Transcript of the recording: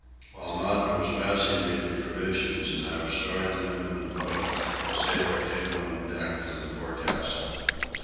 While Maud was passing me the provisions and I was storing them in the boat, a sailor came on deck from the forecastle.